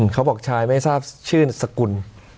เขาบอกชายไม่ทราบชื่อสกุล